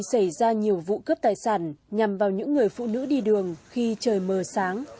xảy ra nhiều vụ cướp tài sản nhằm vào những người phụ nữ đi đường khi trời mờ sáng